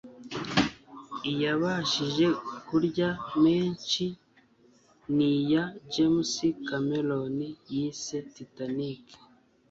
iyabashije kurya menshi ni iya James Cameron yise “Titanic